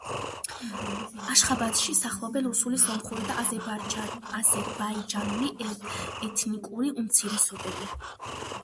აშხაბადში სახლობენ რუსული, სომხური და აზერბაიჯანული ეთნიკური უმცირესობები.